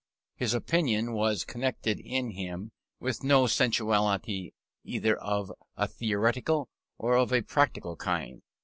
This opinion was connected in him with no sensuality either of a theoretical or of a practical kind.